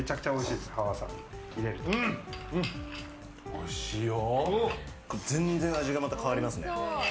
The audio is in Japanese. おいしいよ。